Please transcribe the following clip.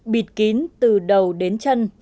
bịt kín từ đầu đến chân